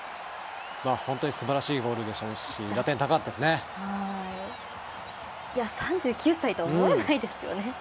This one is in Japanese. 本当にすばらしいゴールでしたし３９歳とは思えないですよね。